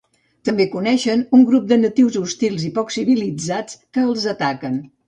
També coneixen un grup de natius hostils i poc civilitzats que els ataquen.